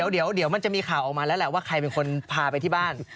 เดี๋ยวมันจะมีข่าวออกมาแล้วแหละว่าใครเป็นคนพาไปที่บ้าน